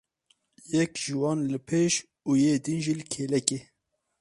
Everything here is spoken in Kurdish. Yek ji wan li pêş û yê din jî li kêlekê.